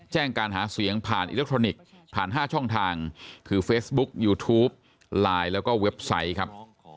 การหาเสียงผ่านอิเล็กทรอนิกส์ผ่าน๕ช่องทางคือเฟซบุ๊กยูทูปไลน์แล้วก็เว็บไซต์ครับ